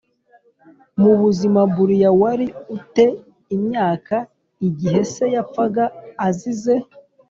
mu buzima Brian wari u te imyaka igihe se yapfaga azize